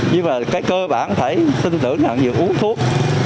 nhưng mà cái cơ bản phải tin tưởng là việc uống thuốc